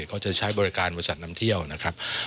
เขาจะใช้บริการบริษัทนำเที่ยวนะครับ